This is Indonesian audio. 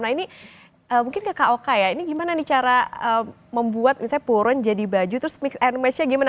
nah ini mungkin ke koka ya ini gimana nih cara membuat misalnya puron jadi baju terus mix and match nya gimana